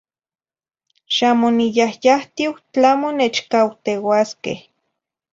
Xa moniyahyahtiu tlamo nechcauteuasqueh